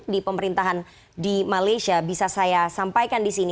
di pemerintahan di malaysia bisa saya sampaikan di sini